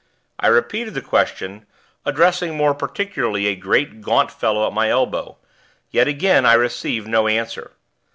I repeated the question, addressing more particularly a great, gaunt fellow at my elbow; yet again I received no answer.